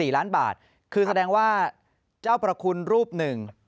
๔ล้านบาทคือแสดงว่าเจ้าประคุณรูปหนึ่ง